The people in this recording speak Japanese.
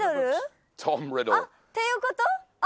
あっ！っていうこと？